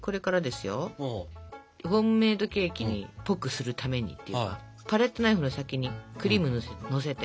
ホームメードケーキっぽくするためにというかパレットナイフの先にクリームをのせて。